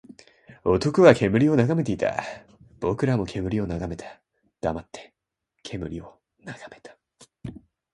男は煙を眺めていた。僕らも煙を眺めた。黙って煙を眺めた。